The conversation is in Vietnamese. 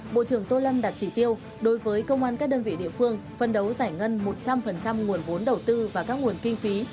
bộ trưởng tô lâm đặt chỉ tiêu đối với công an các đơn vị địa phương phân đấu giải ngân một trăm linh nguồn vốn đầu tư và các nguồn kinh phí